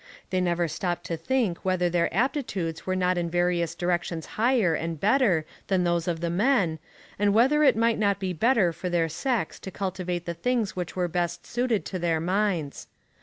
They never stopped to ask whether their aptitudes were not in various directions higher and better than those of the men, and whether it might not be better for their sex to cultivate the things which were best suited to their minds.